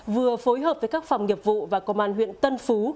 vừa phối hợp với các phòng nghiệp vụ và công an huyện tân phú